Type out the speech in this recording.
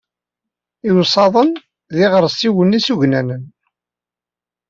Iwsaḍen d iɣersiwen isugnanen.